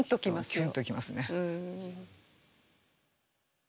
キュンと来ますね。